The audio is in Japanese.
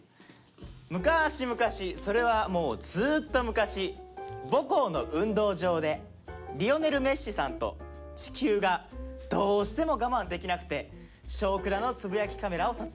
「むかしむかしそれはもうずぅとむかし母校の運動場でリオネルメッシさんと地球がどうしても我慢できなくて『少クラ』のつぶやきカメラを撮影した！」。